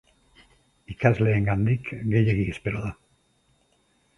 Ikasleengandik gehiegi espero da.